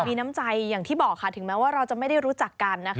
มีน้ำใจอย่างที่บอกค่ะถึงแม้ว่าเราจะไม่ได้รู้จักกันนะคะ